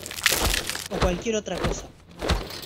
o cualquier otra cosa.